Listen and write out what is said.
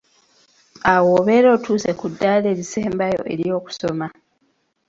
Awo obeera otuuse ku ddaala erisembayo ery’okusoma